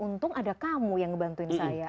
untung ada kamu yang ngebantuin saya